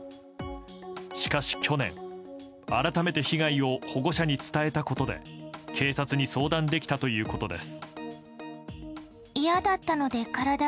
しかし去年、改めて被害を保護者に伝えたことで警察に相談できたということです。